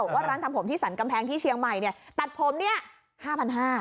ว่าร้านทำผมที่สรรกำแพงที่เชียงใหม่เนี่ยตัดผมเนี่ย๕๕๐๐บาท